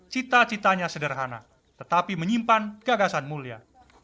cita citanya sederhana tetapi menyimpan gagasan mulia